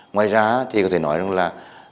ngoài ra thì có thể nói rằng là